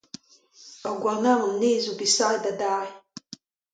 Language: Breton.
Ur gouarnamant nevez zo bet savet adarre.